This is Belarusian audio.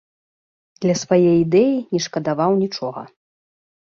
Для свае ідэі не шкадаваў нічога.